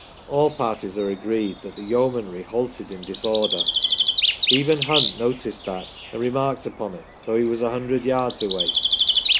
All parties are agreed that the Yeomanry halted in disorder. Even Hunt noticed that and remarked upon it, though he was a hun dred yards away.